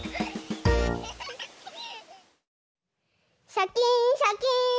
シャキーンシャキーン！